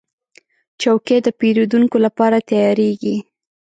چوکۍ د پیرودونکو لپاره تیارېږي.